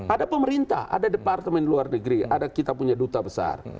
ada pemerintah ada departemen luar negeri ada kita punya duta besar